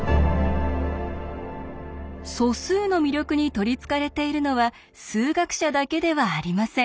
素数の魅力に取りつかれているのは数学者だけではありません。